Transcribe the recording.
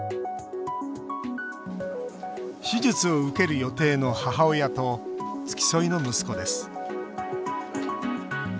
手術を受ける予定の母親と付き添いの息子です。